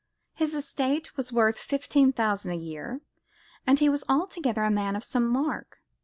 His estate was worth fifteen thousand a year, and he was altogether a man of some mark.